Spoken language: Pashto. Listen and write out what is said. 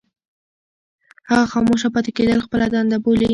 هغه خاموشه پاتې کېدل خپله دنده بولي.